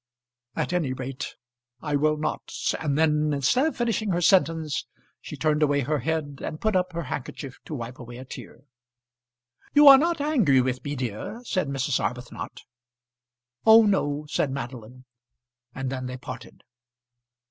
"At any rate I will not " And then instead of finishing her sentence she turned away her head and put up her handkerchief to wipe away a tear. "You are not angry with me, dear?" said Mrs. Arbuthnot. "Oh, no," said Madeline; and then they parted.